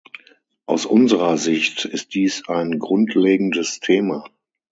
Aus unserer Sicht ist dies ein grundlegendes Thema.